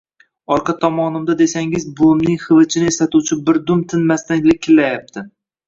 Orqa tomonimda desangiz, buvimning hivichini eslatuvchi bir dum tinmasdan likillayapti